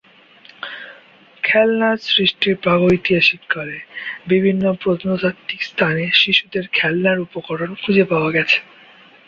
খেলনার সৃষ্টি প্রাগৈতিহাসিক কালে; বিভিন্ন প্রত্নতাত্ত্বিক স্থানে শিশুদের খেলনার উপকরণ খুঁজে পাওয়া গেছে।